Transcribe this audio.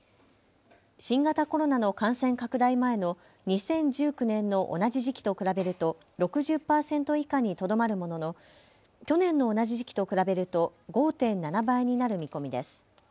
新型コロナの感染拡大前の２０１９年の同じ時期と比べると６０％以下にとどまるものの去年の同じ時期と比べると５．７倍になる見込みです。